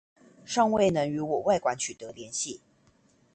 倘未能與我外館取得聯繫